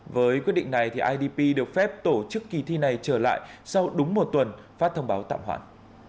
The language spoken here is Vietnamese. với quyết định này idp được phép tổ chức kỳ thi này trở lại sau đúng một tuần phát thông báo tạm hoãn